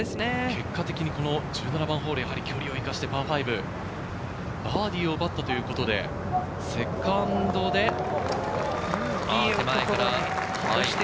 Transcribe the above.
結果的に１７番ホール、距離を生かしてパー５、バーディーを奪ったということで、セカンドで手前から。